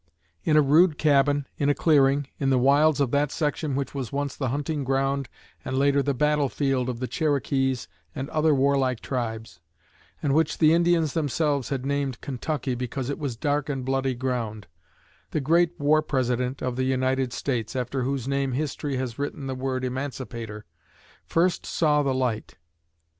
In a rude cabin in a clearing, in the wilds of that section which was once the hunting ground and later the battle field of the Cherokees and other war like tribes, and which the Indians themselves had named Kentucky because it was "dark and bloody ground," the great War President of the United States, after whose name History has written the word "Emancipator," first saw the light.